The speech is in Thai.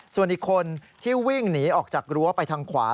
ส่วนอีกคนที่วิ่งหนีออกจากรั้วไปทางขวา